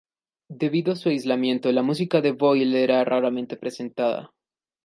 Debido a su aislamiento, la música de Boyle era raramente presentada.